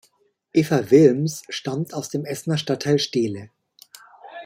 Eva Wilms stammt aus dem Essener Stadtteil Steele.